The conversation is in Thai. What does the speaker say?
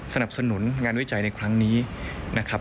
สนับสนุนงานวิจัยในครั้งนี้นะครับ